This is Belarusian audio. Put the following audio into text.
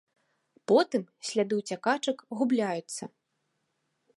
Потым сляды ўцякачак губляюцца.